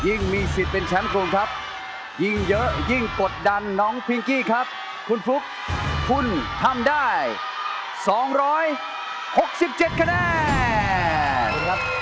ยิ่งที่ฟลุ๊กเอามาลองก็น่ากลัวค่ะหนูก็เลยคิดว่าถ้าเกิดว่ามาเอาชนะหนูหนูจะลอดมั้ย